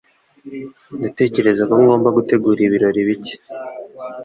Ndatekereza ko ngomba gutegura ibirori bike.